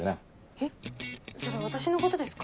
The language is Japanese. えっそれ私のことですか？